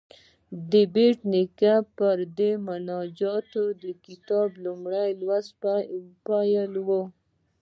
د بېټ نیکه پر دې مناجات د کتاب لومړی لوست پیلوو.